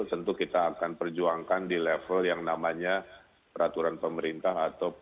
tentu kita akan perjuangkan di level yang namanya peraturan pemerintah